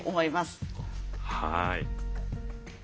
はい。